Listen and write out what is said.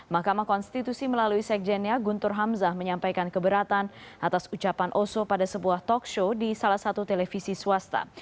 mahkamah konstitusi melalui sekjennya guntur hamzah menyampaikan keberatan atas ucapan oso pada sebuah talkshow di salah satu televisi swasta